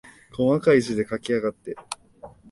こまかい字で書きやがって。